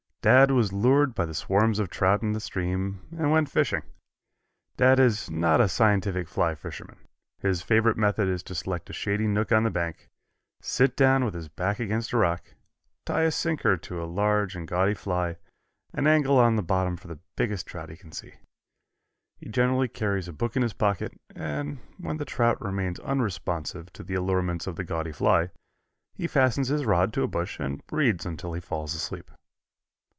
Dad was lured by the swarms of trout in the stream, and went fishing. Dad is not a scientific fly fisherman. His favorite method is to select a shady nook on the bank, sit down with his back against a rock, tie a sinker to a large and gaudy fly, and angle on the bottom for the biggest trout he can see. He generally carries a book in his pocket, and when the trout remains unresponsive to the allurements of the gaudy fly, he fastens his rod to a bush and reads until he falls asleep.